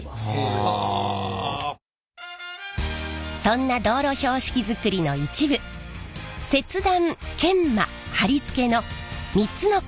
そんな道路標識作りの一部切断研磨貼り付けの３つの工程を紹介します。